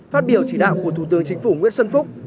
phát biểu chỉ đạo của thủ tướng chính phủ nguyễn xuân phúc